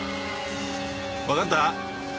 わかった。